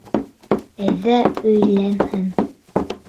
Әйҙә өйләнһен.